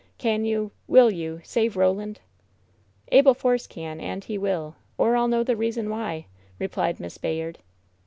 "Can you — will you — save Ro land ?" "Abel Force can, and he will, or I'll know the reason why I" replied Miss Bayard.